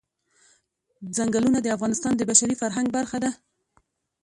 چنګلونه د افغانستان د بشري فرهنګ برخه ده.